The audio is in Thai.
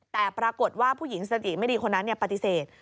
แต่ปรากฏว่าผู้หญิงสติไม่ดีคนนั้นปฏิเสธ